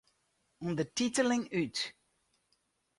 Undertiteling út.